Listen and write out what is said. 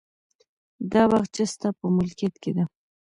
دا باغچه ستا په ملکیت کې ده.